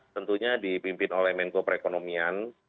tentunya dipimpin oleh menko perekonomian